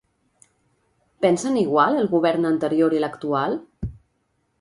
Pensen igual el Govern anterior i l'actual?